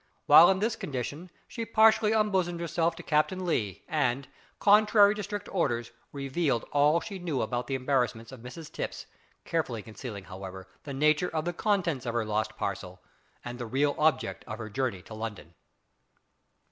While in this condition she partially unbosomed herself to Captain Lee, and, contrary to strict orders, revealed all she knew about the embarrassments of Mrs Tipps, carefully concealing, however, the nature of the contents of her lost parcel, and the real object of her journey to London.